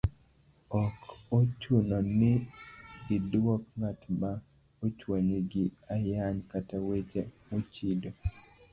Ok ochuno ni idwok ng'at ma ochwanyi gi ayany kata weche mochido,